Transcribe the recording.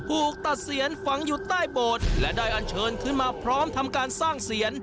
ถูกตัดเสียนฝังอยู่ใต้โบสถ์และได้อันเชิญขึ้นมาพร้อมทำการสร้างเสียน